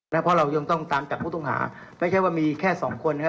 อีกวันว่าคนไหนทำหน้าที่อะไร